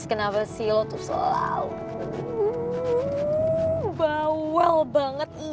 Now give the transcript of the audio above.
dis kenapa sih lo tuh selalu bawael banget